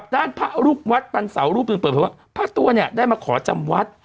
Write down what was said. ด้านพระลูกวัดปันเสารูปหนึ่งเปิดเผยว่าพระตัวเนี่ยได้มาขอจำวัด